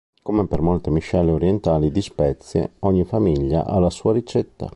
Come per molte miscele orientali di spezie, ogni famiglia ha la sua ricetta.